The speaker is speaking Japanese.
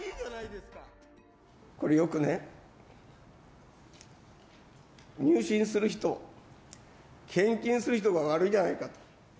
これ、よくね、入信する人、献金する人が悪いんじゃないかと。